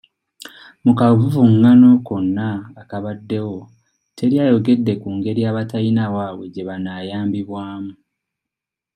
Mu kavuvungano konna akabaddewo teri ayogedde ku ngeri abatalina waabwe gye banaayambibwamu.